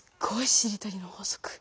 「しりとりの法則」。